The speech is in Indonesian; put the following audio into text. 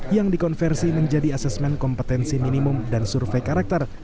yang dikonversi menjadi asesmen kompetensi minimum dan survei karakter